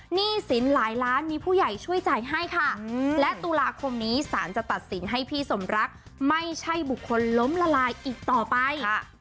หนี้สินหลายล้านมีผู้ใหญ่ช่วยจ่ายให้ค่ะและตุลาคมนี้สารจะตัดสินให้พี่สมรักไม่ใช่บุคคลล้มละลายอีกต่อไป